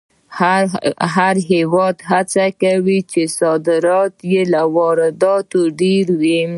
هر هېواد هڅه کوي چې صادرات یې له وارداتو ډېر وي.